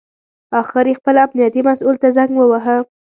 اخر یې خپل امنیتي مسوول ته زنګ وواهه.